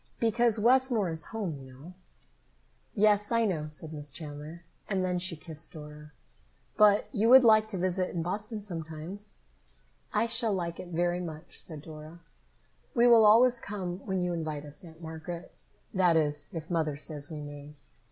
"Because Westmore is home, you know." "Yes, I know," said Miss Chandler, and then she kissed Dora. "But you will like to visit in Boston sometimes?" "I shall like it very much," said Dora. "We will always come when you invite us, Aunt Margaret. That is, if Mother says we may."